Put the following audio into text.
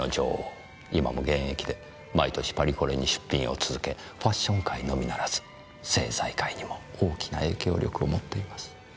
今も現役で毎年パリコレに出品を続けファッション界のみならず政財界にも大きな影響力を持っています。